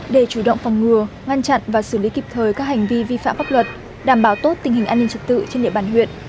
để chủ động phòng ngừa ngăn chặn và xử lý kịp thời các hành vi vi phạm pháp luật đảm bảo tốt tình hình an ninh trật tự trên địa bàn huyện